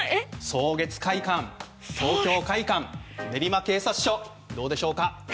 草月会館、東京会館練馬警察署、どうでしょうか。